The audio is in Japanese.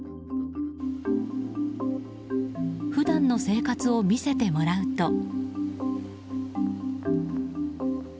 普段の生活を見せてもらうと。